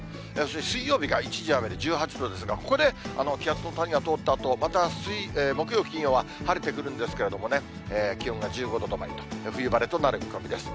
水曜日が一時雨で１８度ですが、ここで気圧の谷が通ったあと、また、木曜、金曜は晴れてくるんですけれどもね、気温が１５度止まりと、冬晴れとなる見込みです。